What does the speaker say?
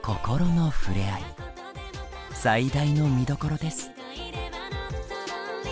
最大の見どころです。